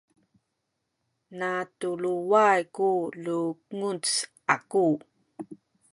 natuluway ku lunguc aku